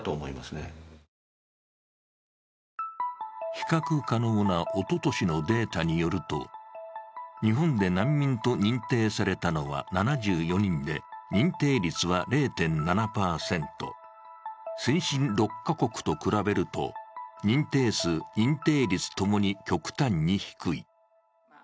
比較可能なおととしのデータによると、日本で難民と認定されたのは７４人で認定率は０．７％、先進６か国と比べると認定数・認定率ともに極端に低い。